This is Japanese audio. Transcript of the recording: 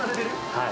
はい。